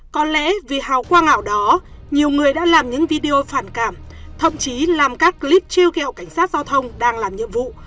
có lẽ vì hào quang ảo đó nhiều người đã làm những video phản cảm thậm chí làm các clip chiêu kẹo cảnh sát giao thông đang làm nhiệm vụ